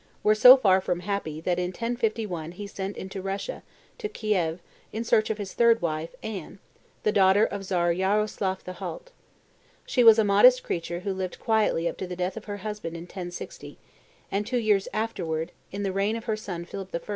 were so far from happy that in 1051 he sent into Russia, to Kieff, in search of his third wife, Anne, daughter of the Czar Yaroslaff the Halt. She was a modest creature who lived quietly up to the death of her husband in 1060, and, two years afterwards, in the reign of her son Philip I.